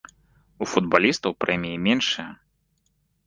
У футбалістаў прэміі меншыя.